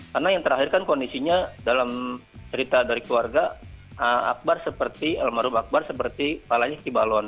karena yang terakhir kan kondisinya dalam cerita dari keluarga akbar seperti almarhum akbar seperti kepalanya kibalon